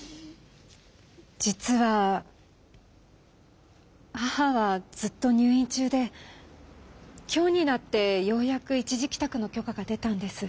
実は母はずっと入院ちゅうで今日になってようやく一時きたくの許可が出たんです。